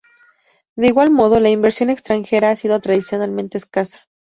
De igual modo, la inversión extranjera ha sido tradicionalmente escasa.